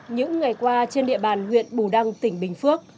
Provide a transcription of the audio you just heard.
những ngày qua trên địa bàn huyện bù đăng tỉnh bình phước